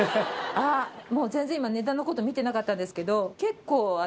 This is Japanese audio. あっもう全然今値段見てなかったんですけど。